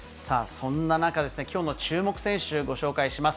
そんな中、きょうの注目選手、ご紹介します。